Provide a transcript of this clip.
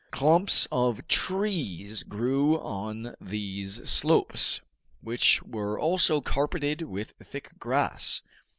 Clumps of trees grew on these slopes, which were also carpeted with thick grass.